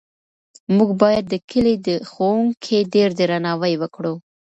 موږ باید د کلي د ښوونکي ډېر درناوی وکړو.